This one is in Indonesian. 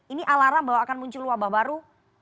ini alarm bahwa akan muncul wabah baru